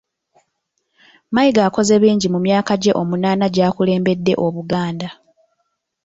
Mayiga akoze bingi mu myaka gye omunaana gy'akulembedde Obuganda